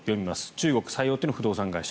中国最大手の不動産会社。